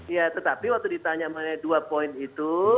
ya tetapi waktu ditanya mengenai dua poin itu